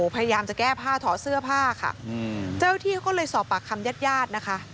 พยายามจะแก้ผ้าถอดเสื้อผ้าค่ะเจ้าที่เขาก็เลยสอบปากคำญาติญาตินะคะ